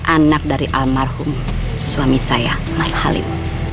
anak dari almarhum suami saya mas halim